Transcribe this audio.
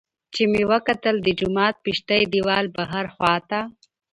چې مې وکتل د جومات پشتۍ دېوال بهر خوا ته